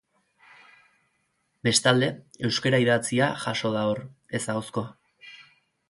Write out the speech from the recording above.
Bestalde, euskara idatzia jaso da hor, ez ahozkoa.